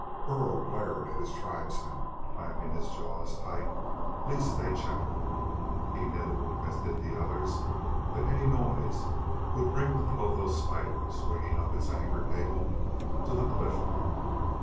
Burl glared at his tribesmen, clamping his jaws tight lest they chatter. He knew, as did the others, that any noise would bring the clotho spider swinging up its anchor cables to the cliff top.